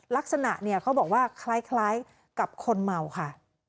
ลักษณะเนี่ยเขาบอกว่าคล้ายกับคนเมาค่ะ